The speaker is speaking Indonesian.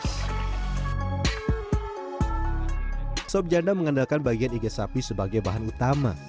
sop janda mengandalkan bagian iga sapi sebagai bahan utama